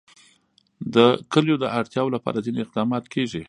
د کلیو د اړتیاوو لپاره ځینې اقدامات کېږي.